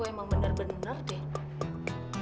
pak rico emang benar benar deh